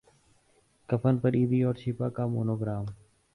کفن پر ایدھی اور چھیپا کا مونو گرام